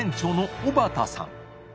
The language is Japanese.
小幡さん）